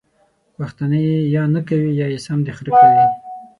پښتانه ېې یا نکوي یا يې سم د خره کوي!